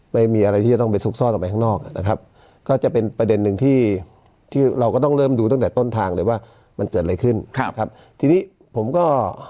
ไม่มีอะไรที่จะต้องไปซุกซ่อนออกไปข้างนอกนะครับก็จะเป็นประเด็นหนึ่งที่ที่เราก็ต้องเริ่มดูตั้งแต่ต้นทางเลยว่ามันเกิดอะไรขึ้นครับทีนี้ผมก็